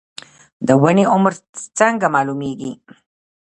د ونې عمر څنګه معلومیږي؟